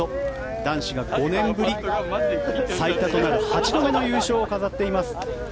男子が５年ぶり最多となる８度目の優勝を飾っています。